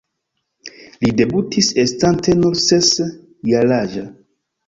Li debutis estante nur ses-jaraĝa.